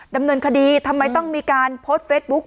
ดำเนินคดีทำไมต้องมีการโพสต์เฟสบุ๊ค